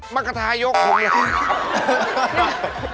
มะกระทะยกพร้อมละครับ